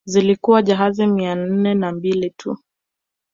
Zilikuwa jahazi mia nne na mbili tu